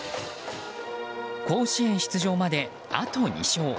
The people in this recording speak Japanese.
甲子園出場まであと２勝。